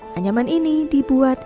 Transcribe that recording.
kanyaman ini dibuat